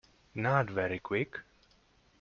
Not very Quick.